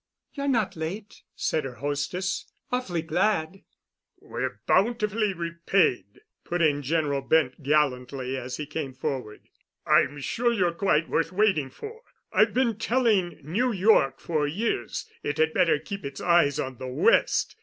"You're not late," said her hostess. "Awfully glad——" "We're bountifully repaid," put in General Bent gallantly, as he came forward. "I'm sure you're quite worth waiting for. I've been telling New York for years it had better keep its eyes on the West.